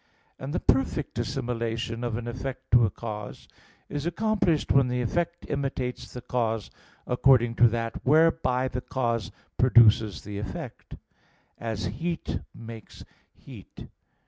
And the perfect assimilation of an effect to a cause is accomplished when the effect imitates the cause according to that whereby the cause produces the effect; as heat makes heat.